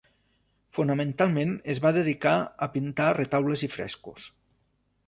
Fonamentalment es va dedicar a pintar retaules i frescos.